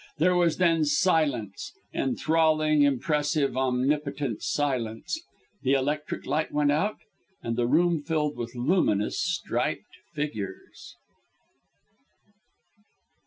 There was then silence enthralling, impressive, omnipotent silence the electric light went out and the room filled with luminous, striped figures.